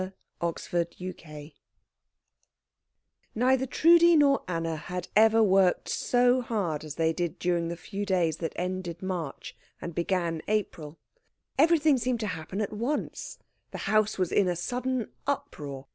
CHAPTER XI Neither Trudi nor Anna had ever worked so hard as they did during the few days that ended March and began April. Everything seemed to happen at once. The house was in a sudden uproar.